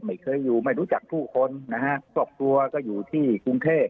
ไม่เคยอยู่ไม่รู้จักผู้คนนะฮะครอบครัวก็อยู่ที่กรุงเทพ